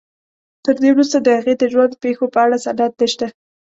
تر دې وروسته د هغې د ژوند پېښو په اړه سند نشته.